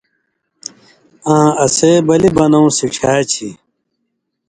آں اسے (بلی) بنؤں سِڇھیا چھی۔